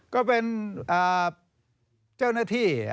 ก็เป็นเจ้าหน้าที่